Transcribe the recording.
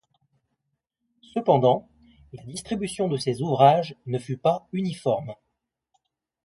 Cependant, la distribution de ces ouvrages ne fut pas uniforme.